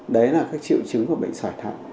đấy là các triệu chứng của bệnh sỏi thận